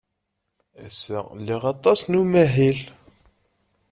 Ass-a liɣ aṭas n umahil.